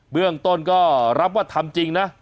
เรื่องต้นก็รับว่าทำจริงนะ